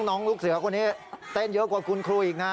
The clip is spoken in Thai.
แต่น้องลูกเสือกว่านี้เต้นเยอะกว่าคุณครูอีกนะ